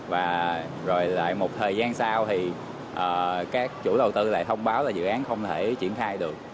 và rồi lại một thời gian sau thì các chủ đầu tư lại thông báo là dự án không thể triển khai được